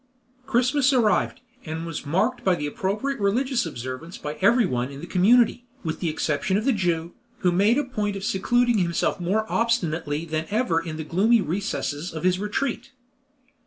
Christmas arrived, and was marked by appropriate religious observance by everyone in the community, with the exception of the Jew, who made a point of secluding himself more obstinately than ever in the gloomy recesses of his retreat.